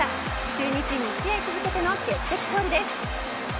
中日、２試合続けての劇的勝利です。